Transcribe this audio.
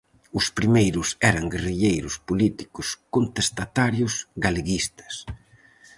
Os primeiros eran guerrilleiros, políticos, contestatarios, galeguistas...